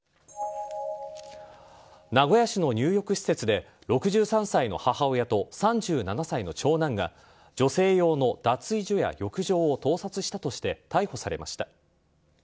名古屋市の入浴施設で６３歳の母親と３７歳の長男が女性用の脱衣所や浴場を盗撮したとして逮捕されました。